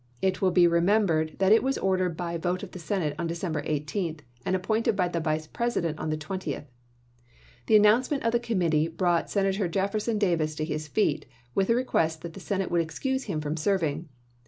It will be remembered that it was ordered by vote of the Senate on December 18, and appointed Globe," by the Vice President on the 20th. The announce ep. ifc. ment of the Committee brought Senator Jefferson Davis to his feet, with a request that the Senate would excuse him from serving.